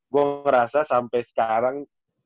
gua ngerasa sampe sekarang